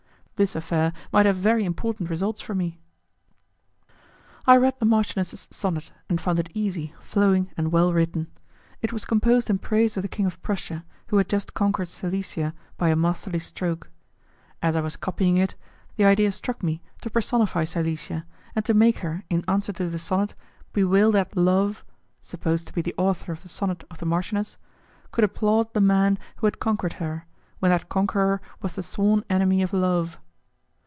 This affair might have very important results for me. I read the marchioness's sonnet, and found it easy, flowing, and well written. It was composed in praise of the King of Prussia, who had just conquered Silesia by a masterly stroke. As I was copying it, the idea struck me to personify Silesia, and to make her, in answer to the sonnet, bewail that Love (supposed to be the author of the sonnet of the marchioness) could applaud the man who had conquered her, when that conqueror was the sworn enemy of Love.